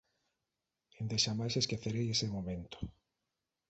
Endexamais esquecerei ese momento.